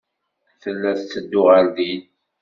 Tella tetteddu ɣer din.